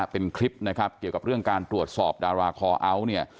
เป็นคลิปนะครับเกี่ยวกับเรื่องการตรวจสอบดาราคอเอาท์เนี่ย